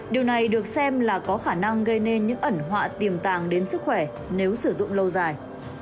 điều này được xem là có khả năng gây nên những ẩn họa tiềm tàng đến sức khỏe nếu sử dụng lâu dài